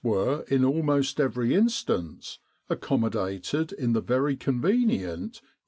in Egypt in almost every instance accommodated in the very convenient E.